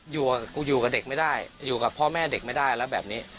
กูอยู่กับเด็กไม่ได้อยู่กับพ่อแม่เด็กไม่ได้แล้วแบบนี้